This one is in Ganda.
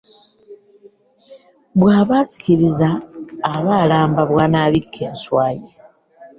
Bw’aba azikiriza aba alamba bw’anaabikka enswa ye.